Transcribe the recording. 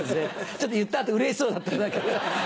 ちょっと言った後うれしそうだった。